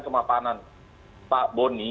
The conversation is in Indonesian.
kemampanan pak boni